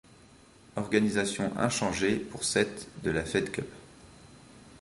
Organisation inchangée pour cette de la Fed Cup.